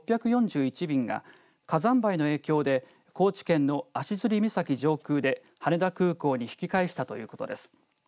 便が火山灰の影響で、高知県の足摺岬上空で羽田空港に引き返したということです。